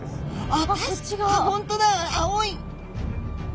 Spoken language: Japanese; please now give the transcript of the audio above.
あっ本当だ青い。